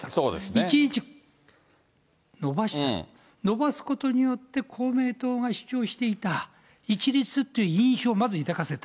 １日延ばした、延ばすことによって、公明党が主張していた、一律っていう印象をまず抱かせた。